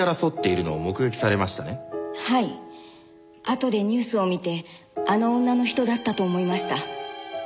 あとでニュースを見てあの女の人だったと思いました。